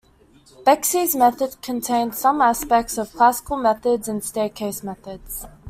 Bekesy's method contains some aspects of classical methods and staircase methods.